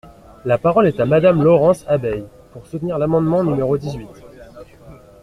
La parole est à Madame Laurence Abeille, pour soutenir l’amendement numéro dix-huit.